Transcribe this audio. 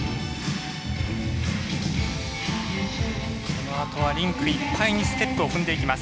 このあとはリンクいっぱいにステップを踏んでいきます。